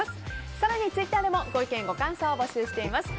更にツイッターでもご意見、ご感想を募集しています。